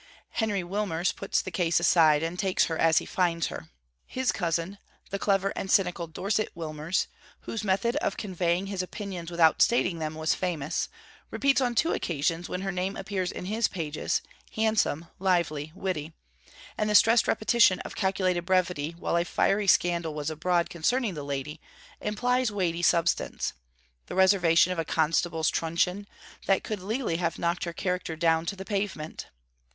Henry Wilmers puts the case aside, and takes her as he finds her. His cousin, the clever and cynical Dorset Wilmers, whose method of conveying his opinions without stating them was famous, repeats on two occasions when her name appears in his pages, 'handsome, lively, witty'; and the stressed repetition of calculated brevity while a fiery scandal was abroad concerning the lady, implies weighty substance the reservation of a constable's truncheon, that could legally have knocked her character down to the pavement.